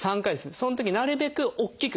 そのときなるべく大きく。